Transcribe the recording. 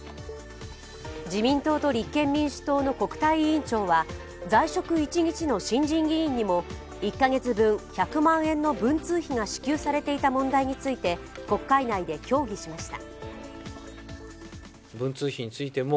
自民党と立憲民主党の国対委員長は在職１日の新人議員にも１カ月分１００万円の文通費が支給されていた問題について国会内で協議しました。